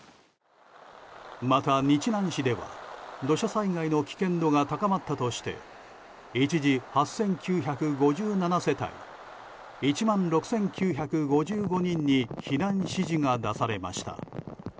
また、日南市では土砂災害の危険度が高まったとして一時、８９５７世帯１万６９５５人に避難指示が出されました。